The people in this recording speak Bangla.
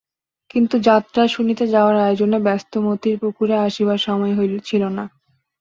কিন্তু যাত্রা শুনিতে যাওয়ার আয়োজনে ব্যস্ত মতির পুকুরে আসিবার সময় ছিল না।